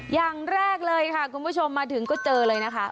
อย่างแรกเลยค่ะคุณผู้ชมมาถึงก็เจอเลยนะคะ